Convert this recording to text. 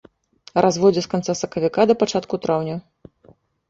Разводдзе з канца сакавіка да пачатку траўня.